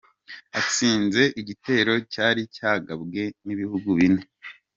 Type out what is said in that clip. atsinze igitero cyari cyagabwe n’ibihugu bine.